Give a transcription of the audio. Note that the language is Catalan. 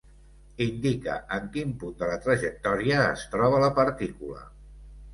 Indica en quin punt de la trajectòria es troba la partícula.